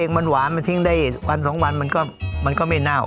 พ่อเองมันหวานถึงได้วันสองวันมันก็ไม่เน่า